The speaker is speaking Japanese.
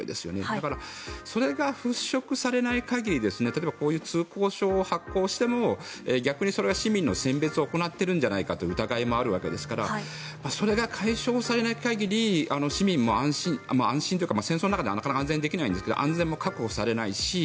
だからそれが払しょくされない限り例えばこういう通行証を発行しても逆にそれは市民の選別を行っているんじゃないかという疑いもあるわけですからそれが解消されない限り市民も安心というか戦争の中では安心できないんですが安全も確保されないし